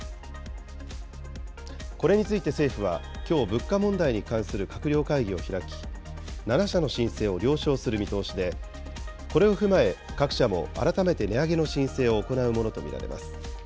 これについて政府は、きょう、物価問題に関する閣僚会議を開き、７社の申請を了承する見通しで、これを踏まえ、各社も改めて値上げの申請を行うものと見られます。